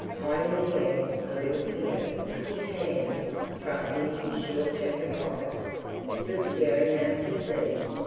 High in the air, a little figure, his hands thrust in his short jacket pockets, stood staring out to sea.